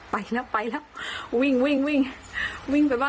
ไปไปเลาะ